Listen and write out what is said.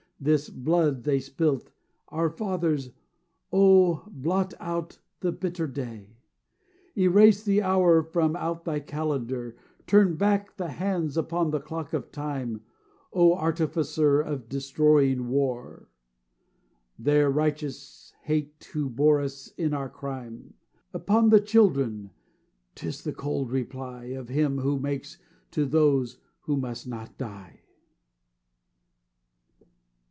This blood they spilt Our fathers oh, blot out the bitter day! Erase the hour from out Thy calendar, Turn back the hands upon the clock of Time, Oh, Artificer of destroying War Their righteous hate who bore us in our crime!" "Upon the children!" 'Tis the cold reply Of Him who makes to those who must not die.